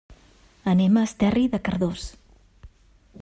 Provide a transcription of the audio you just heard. Anem a Esterri de Cardós.